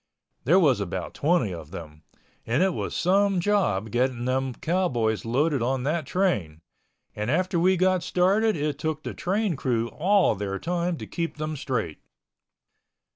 There was about twenty of them, and it was some job getting them cowboys loaded on that train, and after we got started it took the train crew all their time to keep them straight.